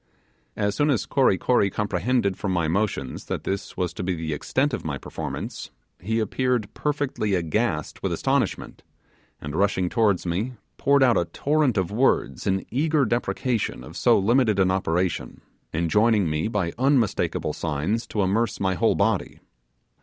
As soon as Kory Kory comprehended from my motions that this was to be the extent of my performance, he appeared perfectly aghast with astonishment, and rushing towards me, poured out a torrent of words in eager deprecation of so limited an operation, enjoining me by unmistakable signs to immerse my whole body.